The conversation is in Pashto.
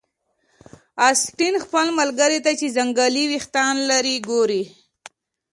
اسټین خپل ملګري ته چې ځنګلي ویښتان لري ګوري